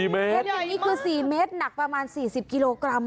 เห็นอย่างนี้คือ๔เมตรหนักประมาณ๔๐กิโลกรัม